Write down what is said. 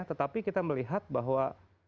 tetapi kita melihat bahwa